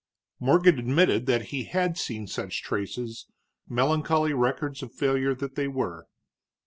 Morgan admitted that he had seen such traces, melancholy records of failure that they were.